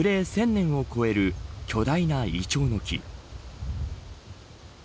１０００年を超える巨大なイチョウの木。